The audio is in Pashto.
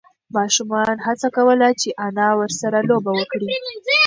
ماشوم هڅه کوله چې انا ورسره لوبه وکړي.